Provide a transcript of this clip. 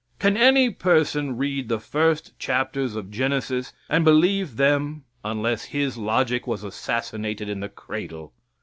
Can any person read the first chapters of Genesis and believe them unless his logic was assassinated in the cradle?